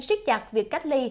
xiết chặt việc cách ly